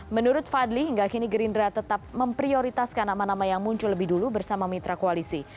menurut fadli hingga kini gerindra tetap memprioritaskan nama nama yang muncul lebih dulu bersama mitra koalisi